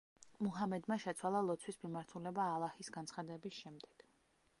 მუჰამედმა შეცვალა ლოცვის მიმართულება ალაჰის განცხადების შემდეგ.